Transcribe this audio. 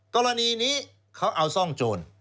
กรณีนี้เขาเอาซ่องโจร